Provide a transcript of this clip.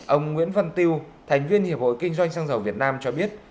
ông nguyễn văn tiêu thành viên hiệp hội kinh doanh xăng dầu việt nam cho biết